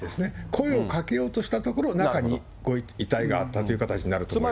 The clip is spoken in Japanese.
声をかけようとしたところ、中に遺体があったという形になると思います。